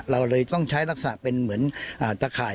เราเลยต้องใช้ลักษณะเป็นเหมือนตะข่าย